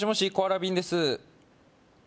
便です